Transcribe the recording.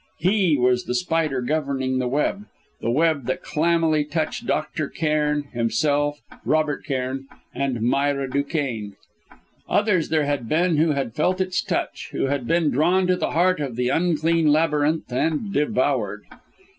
He was the spider governing the web, the web that clammily touched Dr. Cairn, himself, Robert Cairn, and Myra Duquesne. Others there had been who had felt its touch, who had been drawn to the heart of the unclean labyrinth and devoured.